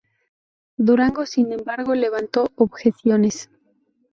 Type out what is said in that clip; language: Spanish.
Durango, sin embargo, levantó objeciones.